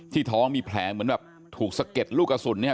ท้องมีแผลเหมือนแบบถูกสะเก็ดลูกกระสุนเนี่ย